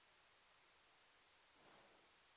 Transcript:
En la danza moderna este gancho se eliminó del bastón.